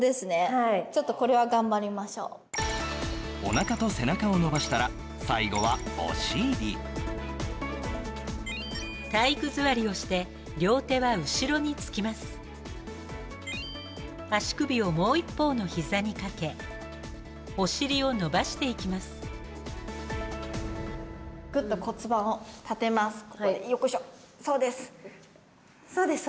はいちょっとこれは頑張りましょうお腹と背中を伸ばしたら最後はお尻体育座りをして足首をもう一方の膝にかけお尻を伸ばしていきますグッと骨盤を立てますよっこいしょそうです